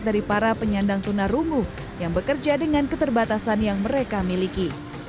dari para penyandang tunarungu yang bekerja dengan keterbatasan yang mereka miliki